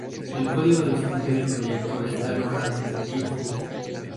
El código de fuente del proyecto está alojado en GitHub.